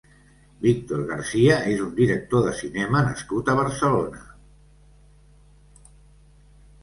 Víctor García és un director de cinema nascut a Barcelona.